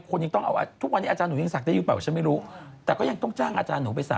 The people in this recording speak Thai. ครูบากิษณะใช่ไหมแองจี้